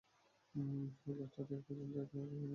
সকাল দশটা পর্যন্ত কেন জানি তাঁর মেজাজ বেশ ভালো থাকে।